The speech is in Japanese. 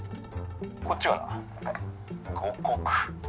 こっちは五石。